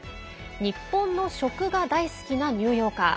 日本の食が大好きなニューヨーカー。